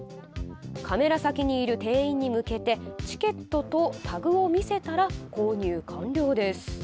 カメラ先にいる店員に向けてチケットとタグを見せたら購入完了です。